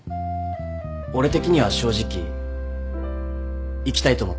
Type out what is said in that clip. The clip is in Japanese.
俺的には正直行きたいと思ってます。